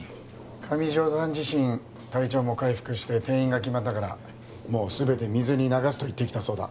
上条さん自身体調も回復して転院が決まったからもう全て水に流すと言ってきたそうだ